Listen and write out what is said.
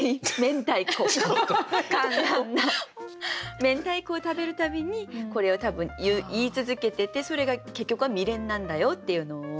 明太子を食べる度にこれを多分言い続けててそれが結局は未練なんだよっていうのを。